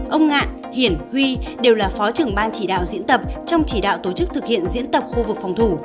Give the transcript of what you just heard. ông ngạn hiển huy đều là phó trưởng ban chỉ đạo diễn tập trong chỉ đạo tổ chức thực hiện diễn tập khu vực phòng thủ